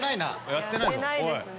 やってないぞ。